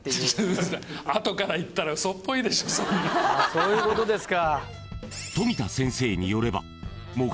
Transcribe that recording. そういうことですか。